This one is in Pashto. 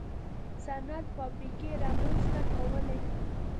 صنعت فابریکې رامنځته کولې.